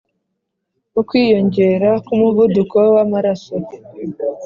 Ukwiyongera k umuvuduko w amaraso